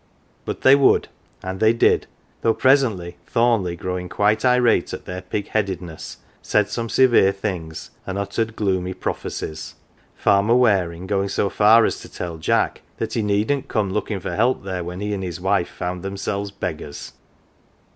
But they would and they did, though presently Thornleigh, growing irate at their pigheadedness, said some severe things and uttered gloomy prophecies ; Farmer Waring going so far as to tell Jack that he needn't come looking for help there when he and his wife found themsel's beggars.